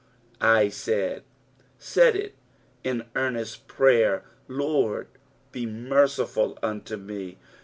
Mi'if "— said it in earnest prayer — "Lord, be merciful tinto me.'